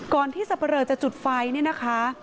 ก่อนที่สรรพเริ่มจะจุดไฟเนี่ยนะคะ